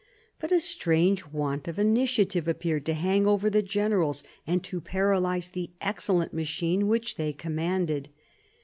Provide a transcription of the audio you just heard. But a strange want of initiative appeared to hang over the generals, and to paralyse the excellent machine which they commanded.